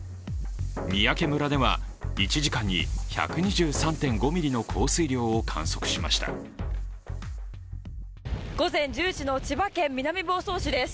三宅村では１時間に１２３．５ミリの降水量を観測しました午前１０時の千葉県南房総市です。